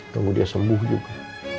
tunggu dia sembuh juga